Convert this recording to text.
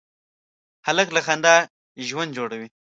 هلک له خندا ژوند جوړوي.